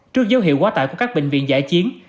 trước dấu hiệu quá tải của các bệnh viện giải chiến